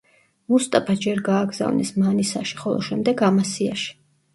მუსტაფა ჯერ გააგზავნეს მანისაში, ხოლო შემდეგ ამასიაში.